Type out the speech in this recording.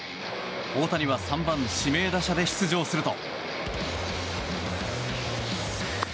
大谷は３番指名打者で出場すると。